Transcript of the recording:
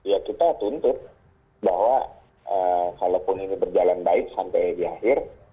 ya kita tuntut bahwa kalaupun ini berjalan baik sampai di akhir